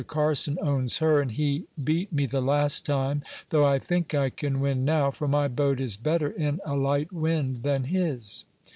Carson owns her, and he beat me the last time, though I think I can win now, for my boat is better in a light wind than his."